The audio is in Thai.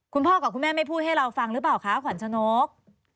คุณพ่อกับคุณแม่ไม่พูดให้เราฟังหรือเปล่าคะขวัญชนก